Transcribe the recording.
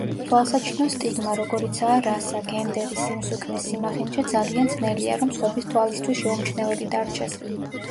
თვალსაჩინო სტიგმა, როგორიცაა რასა, გენდერი, სიმსუქნე, სიმახინჯე ძალიან ძნელია, რომ სხვების თვალისთვის შეუმჩნეველი დარჩეს.